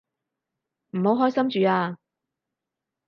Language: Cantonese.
唔好開心住啊